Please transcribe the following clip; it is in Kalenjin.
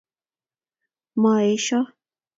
Moesho